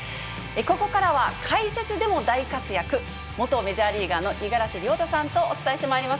ここからは、解説でも大活躍、元メジャーリーガーの五十嵐亮太さんとお伝えしてまいります。